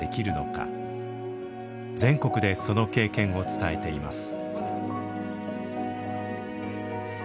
全国でその経験を伝えています。